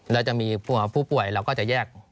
แล้วจะมีผู้ป่วยเราก็จะแยก